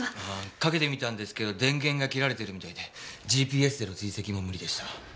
かけてみたんですけど電源が切られてるみたいでＧＰＳでの追跡も無理でした。